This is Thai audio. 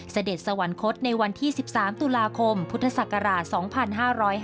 เสด็จสวรรคตในวันที่๑๓ตุลาคมพุทธศักราช๒๕๕๙